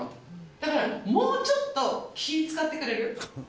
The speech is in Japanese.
だから、もうちょっと気遣ってくれる？